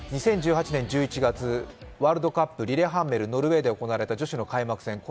２０１８年１１月、ワールドカップリレハンメル、ノルウェーで行われた女子の開幕戦。